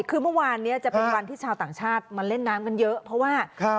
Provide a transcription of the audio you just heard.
คือเมื่อวานเนี้ยจะเป็นวันที่ชาวต่างชาติมาเล่นน้ำกันเยอะเพราะว่า